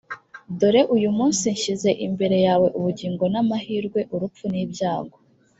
dore uyu munsi nshyize imbere yawe ubugingo n’amahirwe, urupfu n’ibyago;